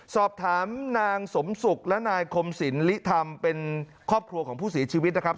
สอบถามนางสมศุกร์และนายคมสินลิธรรมเป็นครอบครัวของผู้เสียชีวิตนะครับ